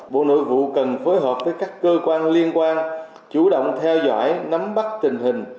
bộ nội vụ cần phối hợp với các cơ quan liên quan chủ động theo dõi nắm bắt tình hình